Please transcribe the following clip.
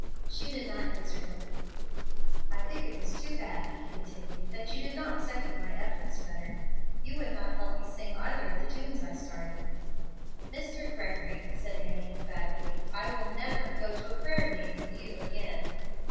She did not answer him. "I think it was too bad," he continued, "that you did not second my efforts better. You would not help me sing either of the tunes I started." "Mr. Gregory," said Annie, emphatically, "I will never go to a prayer meeting with you again."